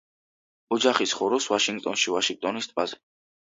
ოჯახი ცხოვრობს ვაშინგტონში, ვაშინგტონის ტბაზე.